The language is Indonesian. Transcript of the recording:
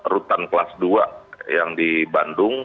rutan kelas dua yang di bandung